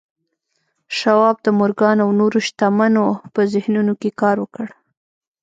شواب د مورګان او نورو شتمنو په ذهنونو کې کار وکړ